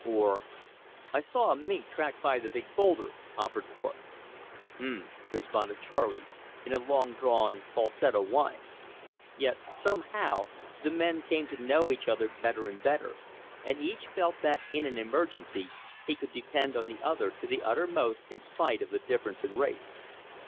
Or: "I saw a mink track by the big boulder," offered Thorpe. "H'm!" responded Charley in a long drawn falsetto whine. Yet somehow the men came to know each other better and better; and each felt that in an emergency he could depend on the other to the uttermost in spite of the difference in race.